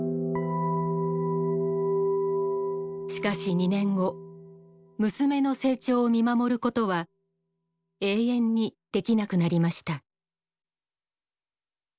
しかし２年後娘の成長を見守ることは永遠にできなくなりました。